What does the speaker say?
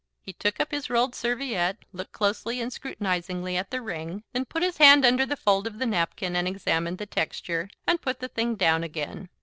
He took up his rolled serviette looked closely and scrutinisingly at the ring, then put his hand under the fold of the napkin and examined the texture, and put the thing down again.